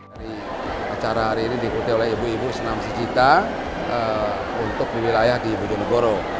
dari acara hari ini diikuti oleh ibu ibu senam sejita untuk di wilayah di bojonegoro